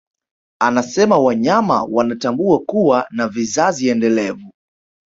Anasema wanyama wanatambua kuwa na vizazi endelevu